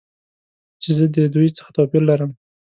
چې زه د دوی څخه توپیر لرم.